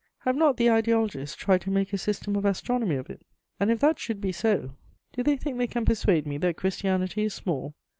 Have not the ideologists tried to make a system of astronomy of it? And if that should be so, do they think they can persuade me that Christianity is small?